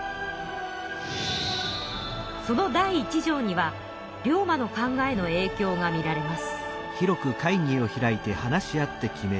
その第１条には龍馬の考えのえいきょうが見られます。